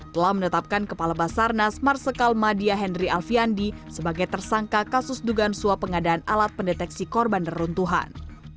telah menetapkan kepala basarnas marsikal madia henry alfiandi sebagai tersangka kasus dugaan suap pengadaan alat pendeteksi korban neruntuhan